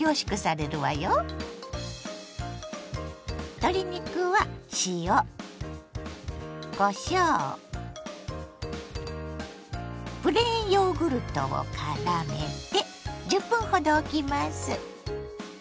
鶏肉は塩こしょうプレーンヨーグルトをからめて１０分ほどおきます。